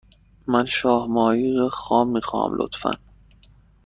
من شاه ماهی خام می خواهم، لطفا.